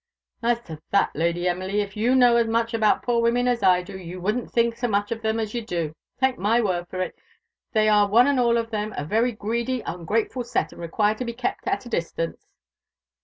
"As to that, Lady Emily, if you know as much about poor women as I do, you wouldn't think so much of them as you do. Take my word for it they are one and all of them a very greedy, ungrateful set, and require to be kept at a distance."